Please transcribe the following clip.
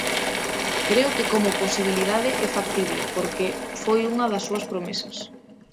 Creo que como posibilidade é factible porque foi unha das súas promesas.